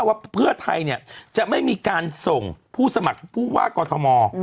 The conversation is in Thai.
ว่าเพื่อไทยเนี่ยจะไม่มีการส่งผู้สมัครผู้ว่ากอทม